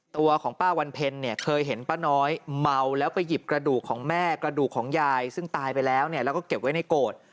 ตัวของป้าวันเพ็ญเนี่ยเคยเห็นป้าน้อยเมาแล้วไปหยิบกระดูกของแม่กระดูกของยายซึ่งตายไปแล้วเนี่ยแล้วก็เก็บไว้ในโกรธ